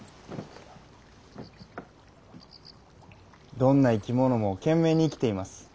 どんな生き物も懸命に生きています。